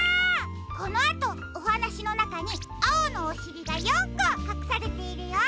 このあとおはなしのなかにあおのおしりが４こかくされているよ。